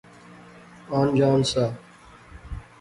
آن جان سا